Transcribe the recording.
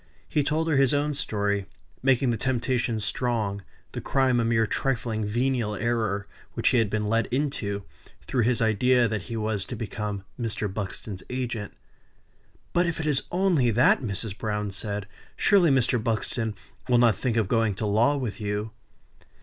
He told her his own story; making the temptation strong; the crime a mere trifling, venial error, which he had been led into, through his idea that he was to become Mr. Buxton's agent. "But if it is only that," said Mrs. Browne, "surely Mr. Buxton will not think of going to law with you?"